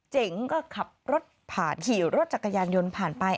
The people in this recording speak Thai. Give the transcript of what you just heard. เจ๋งก็ขับรถผ่านขี่รถจักรยานยนต์ผ่านไป